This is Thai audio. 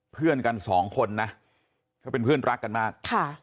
เพื่อนกันสองคนนะเขาเป็นเพื่อนรักกันมากค่ะ